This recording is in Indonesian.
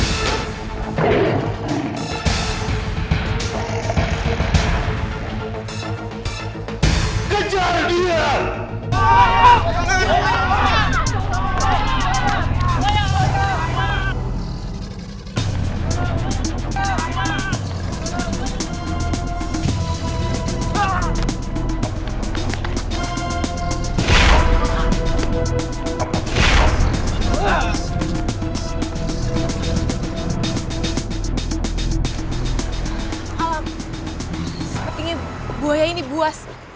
sepertinya buaya ini buas